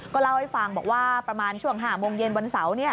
เล่าให้ฟังบอกว่าประมาณช่วง๕โมงเย็นวันเสาร์